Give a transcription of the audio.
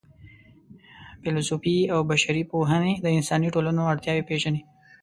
فېلسوفي او بشري پوهنې د انساني ټولنو اړتیاوې پېژني.